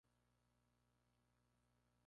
Posteriormente pasó al distrito de Suchitoto.